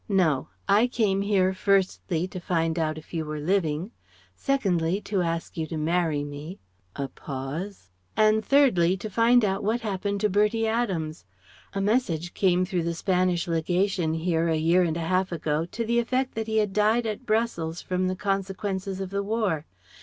"No. I came here, firstly to find out if you were living; secondly to ask you to marry me" ... (a pause) ... "and thirdly to find out what happened to Bertie Adams. A message came through the Spanish Legation here, a year and a half ago, to the effect that he had died at Brussels from the consequences of the War.